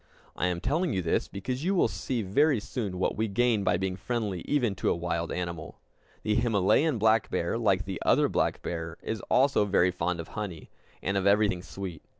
] [Illustration: Himalayan Black Bear] I am telling you this because you will see very soon what we gain by being friendly even to a wild animal. The Himalayan black bear, like the other black bear, is also very fond of honey, and of everything sweet.